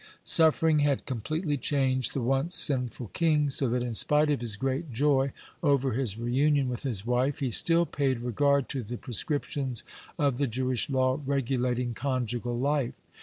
Suffering had completely changed the once sinful king, so that, in spite of his great joy over his reunion with his wife, he still paid regard to the prescriptions of the Jewish law regulating conjugal life.